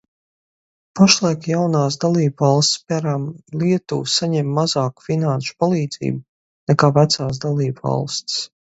Pašlaik jaunās dalībvalstis, piemēram, Lietuva, saņem mazāku finanšu palīdzību nekā vecās dalībvalstis.